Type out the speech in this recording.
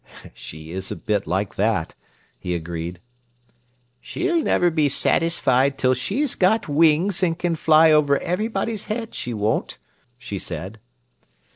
"She is a bit like that," he agreed. "She'll never be satisfied till she's got wings and can fly over everybody's head, she won't," she said.